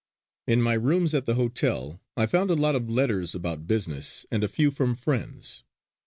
In my rooms at the hotel I found a lot of letters about business, and a few from friends.